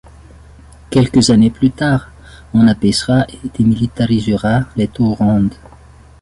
Quelques années plus tard, on abaissera et démilitarisera les tours rondes.